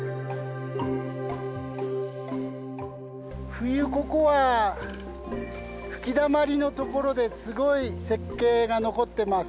冬ここは吹きだまりのところですごい雪渓が残ってます。